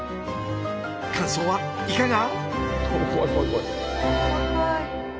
感想はいかが？